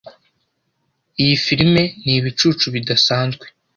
Iyi firime ni ibicucu bidasanzwe.